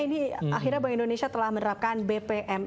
ini akhirnya bank indonesia telah menerapkan bpm